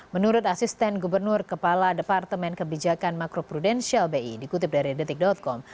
menurut asisten gubernur kepala departemen kebijakan makro prudensial bi dikutip dari detik com